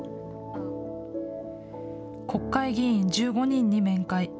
国会議員１５人に面会。